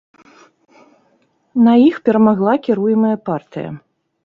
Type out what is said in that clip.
На іх перамагла кіруемая партыя.